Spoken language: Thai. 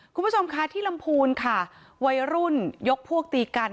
คุณผู้ชมคะที่ลำพูนค่ะวัยรุ่นยกพวกตีกัน